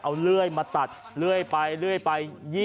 เอาเลื่อยมาตัดเลื่อยไป